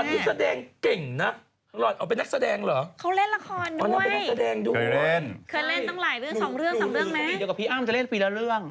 ก็ต้องไปสรรและแหน่เล่นแล้วถ้าอย่างนั้นปีละเรื่อง